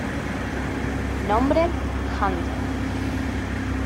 Nombre: "Hunter".